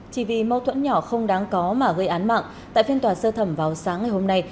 chỉ vì mâu thuẫn nhỏ không đáng có mà gây án mạng tại phiên tòa sơ thẩm vào sáng ngày hôm nay